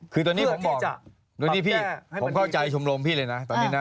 คือตอนนี้ผมบอกตอนนี้พี่ผมเข้าใจชมโรมพี่เลยนะ